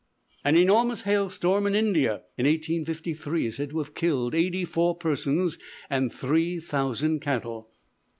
An enormous hail storm in India, in 1853, is said to have killed eighty four persons and three thousand cattle.